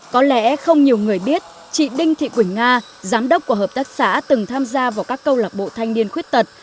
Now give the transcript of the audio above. có lẽ không nhiều người biết chị đinh thị quỳnh nga giám đốc của hợp tác xã từng tham gia vào các câu lạc bộ thanh niên khuyết tật